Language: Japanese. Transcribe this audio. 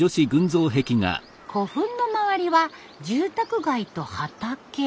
古墳の周りは住宅街と畑。